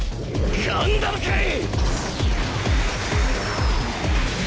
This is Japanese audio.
ガンダムかい！